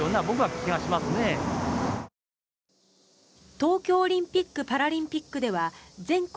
東京オリンピック・パラリンピックでは全国